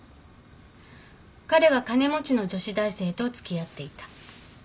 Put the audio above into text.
彼は金持ちの女子大生とつきあっていた。